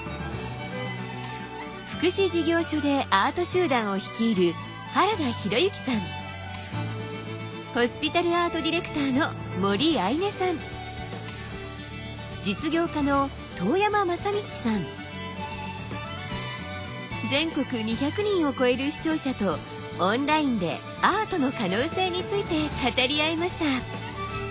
福祉事業所でアート集団を率いる全国２００人を超える視聴者とオンラインでアートの可能性について語り合いました。